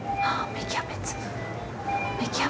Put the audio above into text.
芽キャベツ。